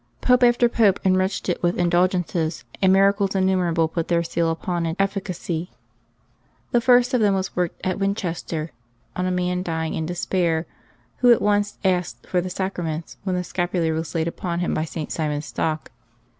Pope after Pope enriched it with indul gences, and miracles innumerable put their seal upon its 252 LIVES OF TEE SAINTS [July 17 efiRcacy. The first of them was worked at "Winchester on a man dying in despair, who at once asked for the Sacra/ ments, when the scapular was laid upon him by St. Simon Stock.